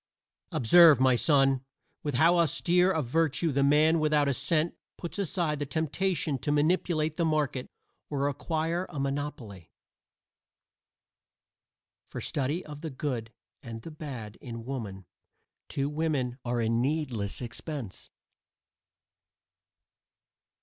Observe, my son, with how austere a virtue the man without a cent puts aside the temptation to manipulate the market or acquire a monopoly. For study of the good and the bad in woman two women are a needless expense.